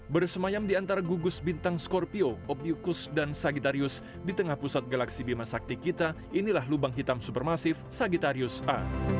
bersemayam di antara gugus bintang scorpio obliukus dan sagittarius di tengah pusat galaksi bimasakti kita inilah lubang hitam supermasif sagittarius a